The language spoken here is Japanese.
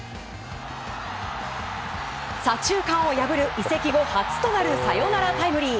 左中間を破る、移籍後初となるサヨナラタイムリー。